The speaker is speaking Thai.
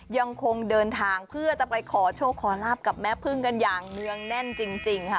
ยังคงเดินทางเพื่อจะไปขอโชคขอลาบกับแม่พึ่งกันอย่างเนื่องแน่นจริงค่ะ